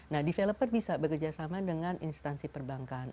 nah developer bisa bekerja sama dengan instansi perbankan